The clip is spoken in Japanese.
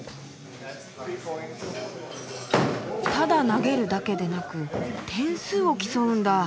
ただ投げるだけでなく点数を競うんだ。